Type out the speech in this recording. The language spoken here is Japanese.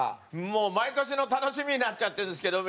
もう毎年の楽しみになっちゃってるんですけど